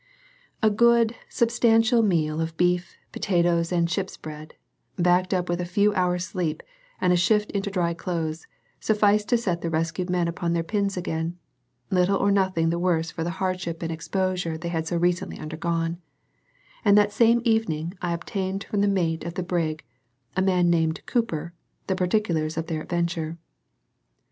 A good substantial meal of beef, potatoes, and ship's bread, backed up with a few hours' sleep, and a shift into dry clothes, sufficed to set the rescued men upon their pins again, little or nothing the worse for the hardship and exposure they had so recently undergone; and that same evening I obtained from the mate of the brig, a man named Cooper, the particulars of their adventure.